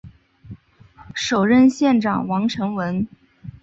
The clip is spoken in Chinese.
首任县长王成文。